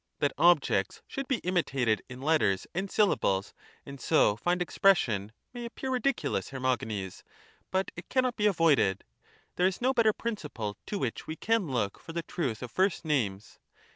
That objects should be imitated in letters and syllables, and so find expression, may appear ridiculous, Hermogenes, but it cannot be avoided — there is no better principle to which we can look for the truth of first names.